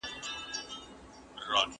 حکومت څنګه کولای سي فساد له منځه يوسي؟